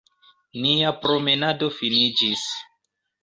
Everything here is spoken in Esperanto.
Nia promenado finiĝis.